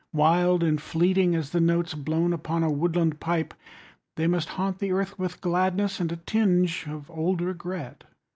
Wild and fleeting as the notes Blown upon a woodland pipe, 30 They must haunt the earth with gladness And a tinge of old regret.